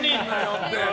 って。